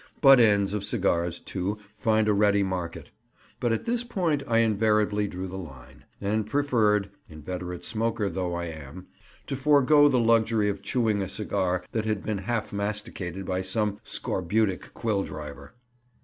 Butt ends of cigars, too, find a ready market; but at this point I invariably drew the line, and preferred—inveterate smoker though I am—to forego the luxury of chewing a cigar that had been half masticated by some scorbutic quill driver.